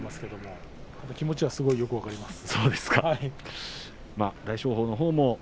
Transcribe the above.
気持ちはすごくよく分かります。